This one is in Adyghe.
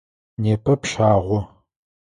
Непэ пщагъо.